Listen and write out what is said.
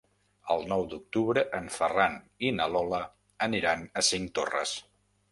El nou d'octubre en Ferran i na Lola aniran a Cinctorres.